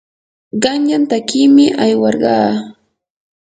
qanyan takiymi aywarqaa.